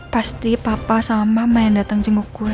pasti papa sama mama yang datang jenguk gue